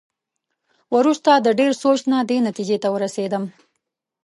وروسته د ډېر سوچ نه دې نتېجې ته ورسېدم.